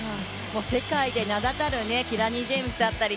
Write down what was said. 世界で名立たるキラニ・ジェームスだったり